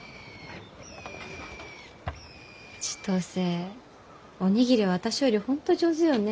千歳お握りは私より本当上手よね。